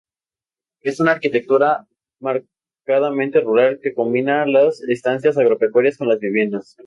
Es una arquitectura marcadamente rural que combina las estancias agropecuarias con las viviendas.